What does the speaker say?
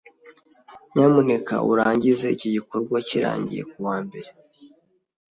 nyamuneka urangize iki gikorwa kirangiye kuwa mbere